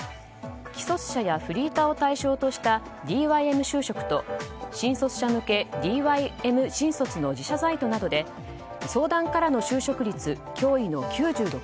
既卒者やフリーターを対象としたＤＹＭ就職と新卒者向けＤＹＭ新卒の自社サイトなどで相談からの離職率驚異の９６％